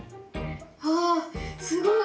「わすごい。